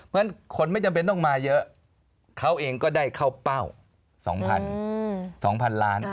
เพราะฉะนั้นคนไม่จำเป็นต้องมาเยอะเขาเองก็ได้เข้าเป้า๒๐๐๐ล้าน